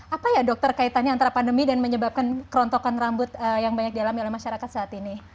apa ya dokter kaitannya antara pandemi dan menyebabkan kerontokan rambut yang banyak dialami oleh masyarakat saat ini